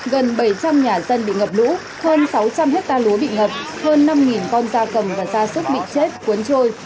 gần bảy trăm linh nhà dân bị ngập lũ hơn sáu trăm linh hectare lúa bị ngập hơn năm con da cầm và gia sức bị chết cuốn trôi